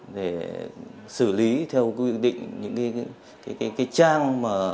để xử lý theo quy định những cái trang